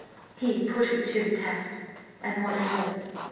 "He put it to the test, and won it all.